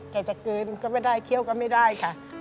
แกจะกลืนก็ไม่ได้เคี่ยวก็ไม่ได้ค่ะ